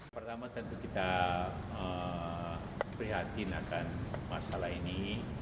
pertama tentu kita prihatin akan masalah ini